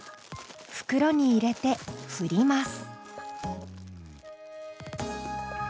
袋に入れてふります。